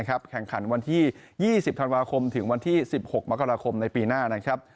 แข่งขันวันที่๒๐ธันวาคมถึงวันที่๑๖มกราคมในปีหน้านะครับ